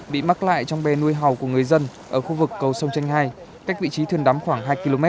bị mắc lại trong bè nuôi hầu của người dân ở khu vực cầu sông chanh hai cách vị trí thuyền đắm khoảng hai km